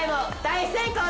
大成功！